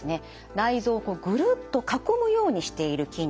内臓をぐるっと囲むようにしている筋肉。